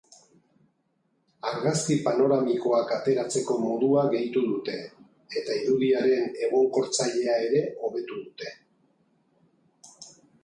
Argazki panoramikoak ateratzeko modua gehitu dute eta irudiaren egonkortzailea ere hobetu dute.